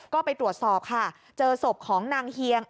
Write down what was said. ก็ไปตรวจสอบค่ะเจอศพของนางเฮียง